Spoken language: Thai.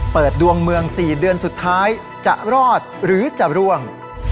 ดวงเมือง๔เดือนสุดท้ายจะรอดหรือจะร่วง